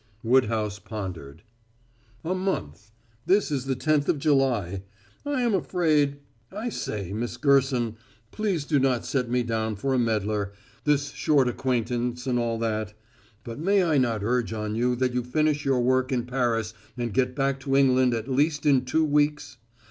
Woodhouse pondered. "A month. This is the tenth of July. I am afraid I say, Miss Gerson, please do not set me down for a meddler this short acquaintance, and all that; but may I not urge on you that you finish your work in Paris and get back to England at least in two weeks?"